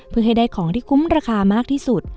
เพื่อให้ได้ของที่คุ้มราคามากที่สุด